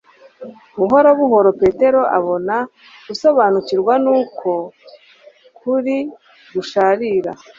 Buhoro buhoro Petero abona gusobanukirwa n'uko kuri gusharira.